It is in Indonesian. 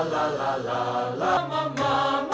kau allah ku